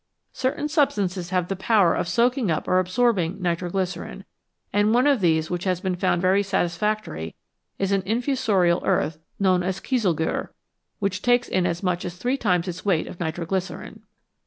Certain substances have the power of soaking up or absorbing nitro glycerine, and one of these which has been found very satisfactory is "an infusorial earth known as Jcieselgiihr, which takes in as much as three times its weight of nitro glycerine.